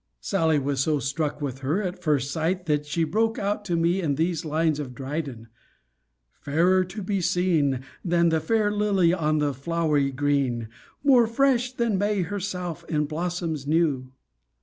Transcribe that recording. Sally was so struck with her, at first sight, that she broke out to me in these lines of Dryden: Fairer to be seen Than the fair lily on the flow'ry green! More fresh than May herself in blossoms new!